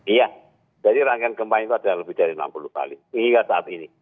iya dari rangkaian gempa itu ada lebih dari enam puluh kali hingga saat ini